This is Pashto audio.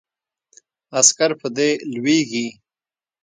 عسکر په دې لویږي.